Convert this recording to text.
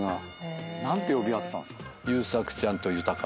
何て呼び合ってたんですか？